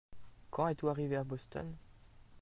Quand êtes-vous arrivé à Boston ?